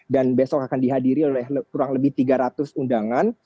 besok akan dihadiri oleh kurang lebih tiga ratus undangan